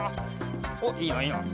おっいいないいな。